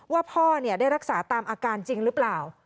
ว่าพ่อได้รักษาตามอาการจริงหรือเปล่า